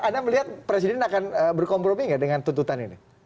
anda melihat presiden akan berkompromi nggak dengan tuntutan ini